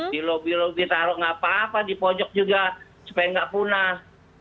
di lobby lobby taruh nggak apa apa di pojok juga supaya nggak punah